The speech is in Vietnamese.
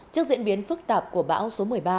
trước diễn biến phức tạp của bão số một mươi ba